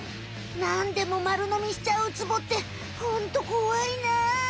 なんでも丸のみしちゃうウツボってホントこわいな。